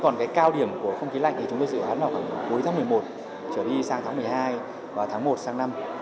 còn cái cao điểm của không khí lạnh thì chúng tôi dự án vào khoảng cuối tháng một mươi một trở đi sang tháng một mươi hai và tháng một tháng năm